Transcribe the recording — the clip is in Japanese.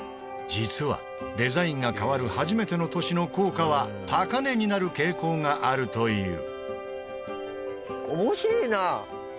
実はデザインが変わる初めての年の硬貨は高値になる傾向があるという。